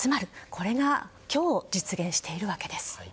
これが今日実現しているわけです。